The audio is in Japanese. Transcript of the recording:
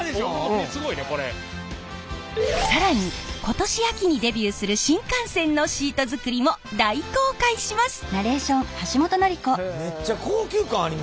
更に今年秋にデビューする新幹線のシート作りも大公開します！